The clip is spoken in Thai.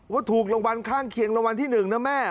ว่าถูกรังบันข้างเคียงรังบันที่๑นะแม่